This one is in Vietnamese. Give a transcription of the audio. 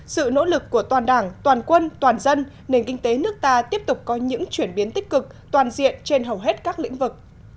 sự nỗ lực của toàn đảng toàn quân toàn dân nền kinh tế nước ta tiếp tục có những chuyển biến tích cực toàn diện trên hầu hết các lĩnh vực